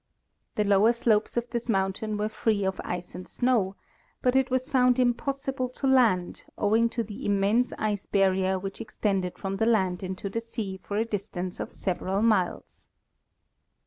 The lower slopes of this mountain were free of ice and snow, but it was found impossible to land, owing to the immense ice barrier which extended from the land into the sea for a distance of several miles.